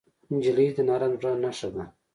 نجلۍ د نرم زړه نښه ده.